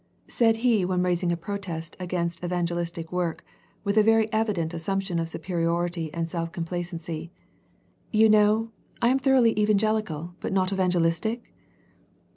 Said he when rais ing a protest against evangelistic work, with a very evident assumption of superiority and self complacency, " You know, I am thorough ly evangelical but not evangelistic